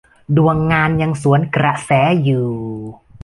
ดวงงานยังสวนกระแสอยู่